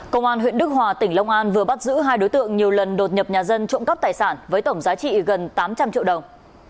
công an huyện đức hòa tỉnh long an vừa bắt giữ hai đối tượng nhiều lần đột nhập nhà dân trộm cắp tài sản với tổng giá trị gần tám trăm linh triệu đồng